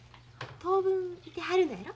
当分いてはるのやろ？